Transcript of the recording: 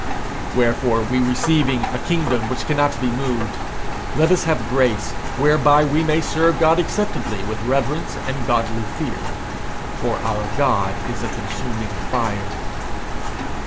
"Wherefore, we receiving a kingdom which cannot be moved, let us have grace, whereby we may serve God acceptably with reverence and godly fear, for our God is a consuming fire."